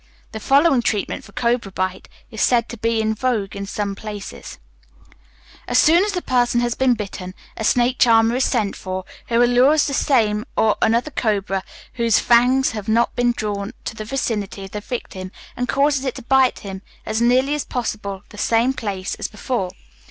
The following treatment for cobra bite is said to be in vogue in some places: "As soon as a person has been bitten, a snake charmer is sent for, who allures the same or another cobra whose fangs have not been drawn to the vicinity of the victim, and causes it to bite him at as nearly as possible the same place as before.